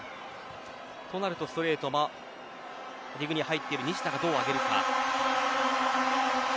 となるとストレートはディグに入っている西田がどう上げるか。